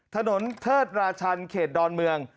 ถนนเทิดราชันเขตดอนเมือง